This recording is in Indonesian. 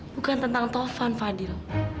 bukan tentang taufan fadil